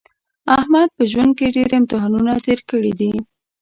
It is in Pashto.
احمد په ژوند کې ډېر امتحانونه تېر کړي دي.